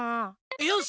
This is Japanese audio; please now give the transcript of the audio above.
よし。